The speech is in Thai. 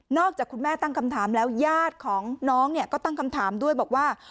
จากคุณแม่ตั้งคำถามแล้วญาติของน้องเนี่ยก็ตั้งคำถามด้วยบอกว่า